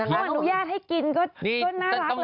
เขาอนุญาตให้กินก็น่ารักเลย